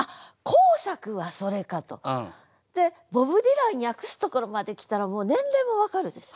でボブ・ディラン訳すところまで来たらもう年齢も分かるでしょ？